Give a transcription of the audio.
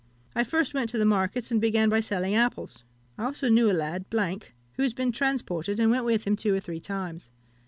I first went to the markets, and begun by stealing apples. I also knew a lad, , who has been transported, and went with him two or three times.